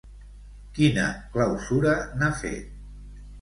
Quina clausura n'ha fet?